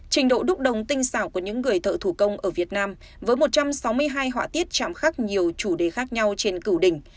trình độ đúc đồng tinh xảo của những người thợ thủ công ở việt nam với một trăm sáu mươi hai họa tiết chạm khắc nhiều chủ đề khác nhau trên cửu đỉnh